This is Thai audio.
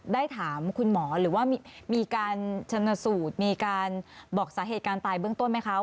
ได้ถามคุณหมอหรือว่ามีการชนสูตรมีการบอกสาเหตุการณ์ตายเบื้องต้นไหมคะ